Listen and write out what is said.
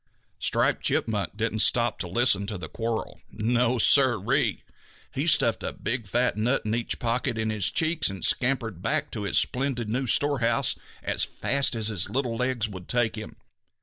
Striped Chipmunk didn't stop to listen to the quarrel. No, Sir ee! He stuffed a big fat nut in each pocket in his cheeks and scampered back to his splendid new storehouse as fast as his little legs would take him.